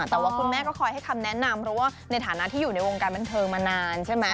แต่ว่าคุณแม่ก็คอยให้คำแนะนำเพราะว่าในฐานะที่อยู่ในวงการบันเทิงมานานใช่ไหม